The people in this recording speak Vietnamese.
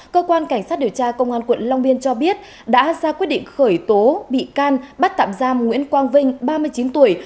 cơ quan cảnh sát điều tra công an quận long biên cho biết đã ra quyết định khởi tố bị can bắt tạm giam nguyễn quang vinh ba mươi chín tuổi